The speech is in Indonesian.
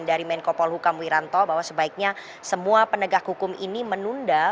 dari menko polhukam wiranto bahwa sebaiknya semua penegak hukum ini menunda